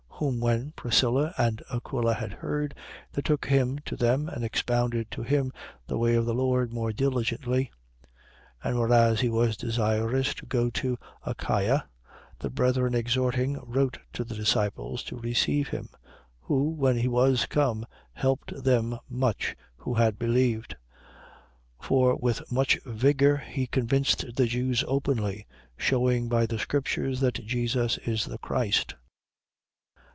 Whom when Priscilla and Aquila had heard, they took him to them and expounded to him the way of the Lord more diligently. 18:27. And whereas he was desirous to go to Achaia, the brethren exhorting wrote to the disciples to receive him. Who, when he was come, helped them much who had believed. 18:28. For with much vigour he convinced the Jews openly, shewing by the scriptures that Jesus is the Christ.